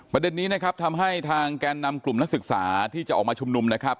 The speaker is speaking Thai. ประเด็นนี้นะครับทำให้ทางแกนนำกลุ่มนักศึกษาที่จะออกมาชุมนุมนะครับ